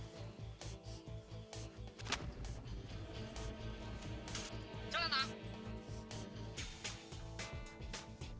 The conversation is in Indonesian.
lepasin dulu dong adik gue